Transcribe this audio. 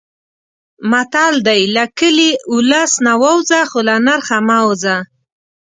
متل دی: له کلي، اولس نه ووځه خو له نرخه مه وځه.